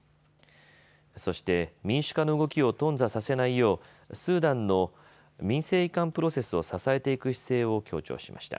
そして民主化の動きを頓挫させないようスーダンの民政移管プロセスを支えていく姿勢を強調しました。